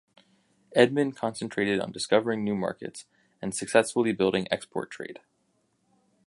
Edmond concentrated on discovering new markets and successfully building export trade.